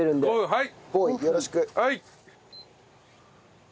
はい！